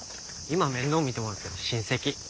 今面倒見てもらってる親戚。